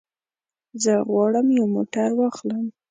زه غواړم یو موټر واخلم.